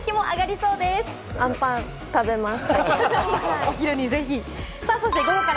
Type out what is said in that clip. あんパン食べます。